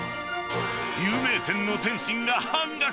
有名店の点心が半額。